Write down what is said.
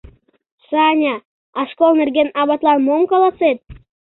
— Саня... а школ нерген аватлан мом каласет?